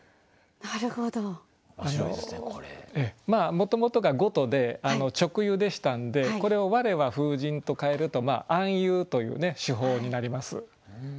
もともとが「ごと」で直喩でしたんでこれを「われは風神」と変えると暗喩という手法になります。